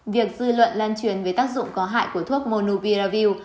việc dư luận lan truyền về tác dụng có hại của thuốc monoviraville